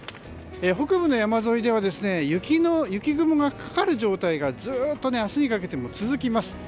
北部の山沿いでは雪雲がかかる状態がずっと明日にかけても続きます。